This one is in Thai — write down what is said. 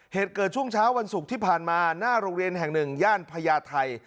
เหตุเกิดช่วงเช้าวันศุกร์ที่ผ่านมาหน้าโรงเรียนแห่งหนึ่งย่านพญาไทย